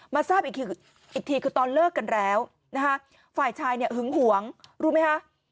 มาทราบอีกทีคือตอนเลิกกันแล้วฝ่ายชายหึงหวงรู้ไหมคะ